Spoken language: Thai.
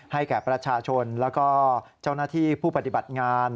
แก่ประชาชนแล้วก็เจ้าหน้าที่ผู้ปฏิบัติงาน